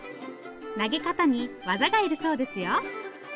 投げ方に技がいるそうですよ。